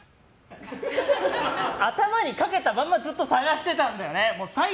頭にかけたまんまずっと探してたんだよね。